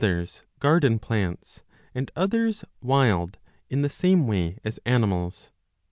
8ig b DE PLANTIS others wild, in the same way as animals.